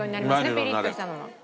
ピリッとしたのは。